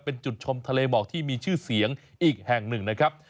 เป็นจุดชมทะเลหมอกที่มีชื่อเสียงอีกแห่งหนึ่งนะครับ